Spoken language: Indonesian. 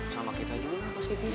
sama kita juga pasti bisa